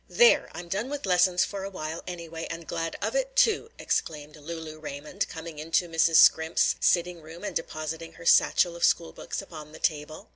"There! I'm done with lessons for a while anyway, and glad of it too!" exclaimed Lulu Raymond, coming into Mrs. Scrimp's sitting room and depositing her satchel of school books upon the table.